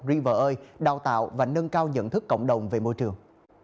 river ơi đào tạo và nâng cao nhận thức cộng đồng về môi trường